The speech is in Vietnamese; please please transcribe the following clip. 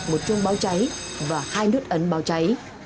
một chuông báo cháy và hai nút ấn báo cháy